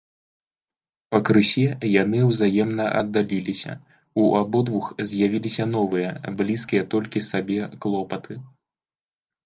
Пакрысе яны ўзаемна аддаліліся, у абодвух з’явіліся новыя, блізкія толькі сабе клопаты.